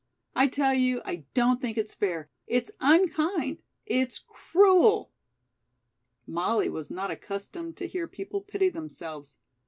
I tell you I don't think it's fair it's unkind it's cruel!" Molly was not accustomed to hear people pity themselves.